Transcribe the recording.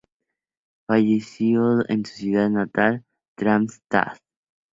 Falleció en su ciudad natal, Darmstadt.